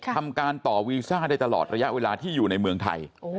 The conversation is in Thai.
ทำการต่อวีซ่าได้ตลอดระยะเวลาที่อยู่ในเมืองไทย